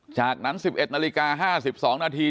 จากนั้น๑๑นาฬิกา๕๒นาที